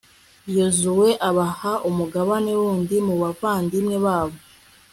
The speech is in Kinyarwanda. yozuwe abaha umugabane wundi mu bavandimwe babo